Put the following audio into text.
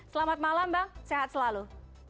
selamat malam bang sehat selalu